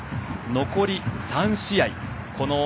残り３試合。